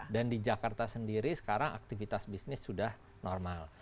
dan di jakarta sendiri sekarang aktivitas bisnis sudah normal